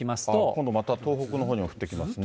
今度また東北のほうも降ってきますね。